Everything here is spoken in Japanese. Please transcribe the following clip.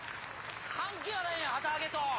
関係あらへんやん旗上げと！